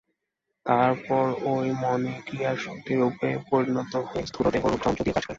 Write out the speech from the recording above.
তারপর ঐ মনই ক্রিয়াশক্তিরূপে পরিণত হয়ে স্থূলদেহরূপ যন্ত্র দিয়ে কাজ করে।